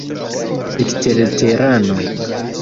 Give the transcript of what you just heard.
eksterterano